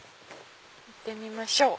行ってみましょう！